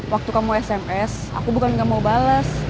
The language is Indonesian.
waktu kamu sms aku bukan gak mau bales